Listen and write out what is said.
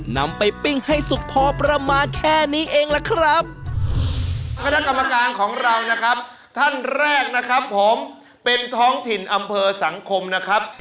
ท่านรุ้นระวีโพยัยสวัสดีครับ